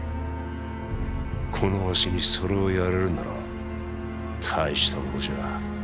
このわしにそれをやれるなら大した者じゃ。